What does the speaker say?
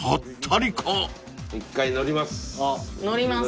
一回乗ります。